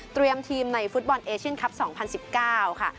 ทีมในฟุตบอลเอเชียนคลับ๒๐๑๙ค่ะ